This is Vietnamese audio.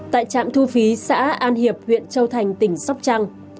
tại trạm thu phí xã an hiệp huyện châu thành tỉnh sóc trăng